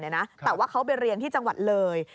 แต่ว่าเขาไปเรียนที่จังหวัดเลย